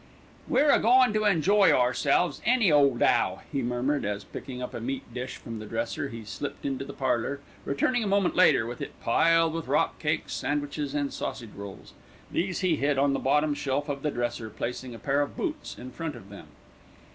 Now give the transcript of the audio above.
"We're a goin' to enjoy ourselves, any old 'ow," he murmured as, picking up a meat dish from the dresser, he slipped into the parlour, returning a moment later with it piled with rock cakes, sandwiches and sausage rolls. These he hid on the bottom shelf of the dresser, placing a pair of boots in front of them.